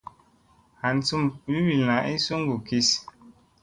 Han sum ɓilɓilla ay suŋgu kis.